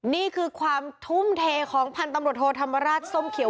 นี่คือความทุ่มเทของพันธุ์ตำรวจโทธรรมราชส้มเขียว